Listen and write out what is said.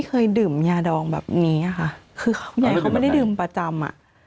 คือยายเขาไม่ได้ดื่มประจำ